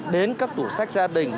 đến các tủ sách gia đình